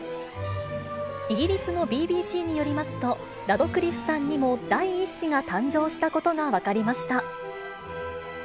イギリスのＢＢＣによりますと、ラドクリフさんにも第１子が誕生したことが分かりました。